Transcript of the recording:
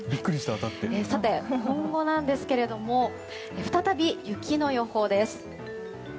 さて、今後なんですけれど再び雪の予報です。